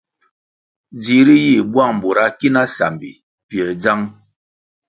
Dzihri yih buang bura ki na sambi pięr dzang.